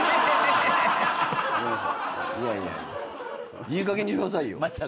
いやいやいいかげんにしてくださいよ。